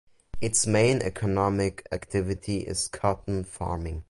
Its main economic activity is cotton farming.